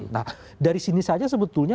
nah dari sini saja sebetulnya